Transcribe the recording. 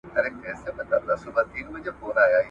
مور دي نه سي پر هغو زمریو بوره `